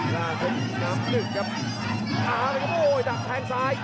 ล่าของแพทย์น้ำหนึ่งครับขาไปครับโอ้โหดับแทงซ้าย